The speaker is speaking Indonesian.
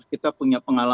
kita punya pengalaman